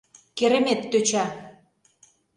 Керемет тӧча.